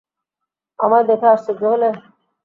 আমায় দেখে আশ্চর্য হলে?